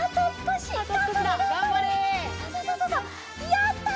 やった！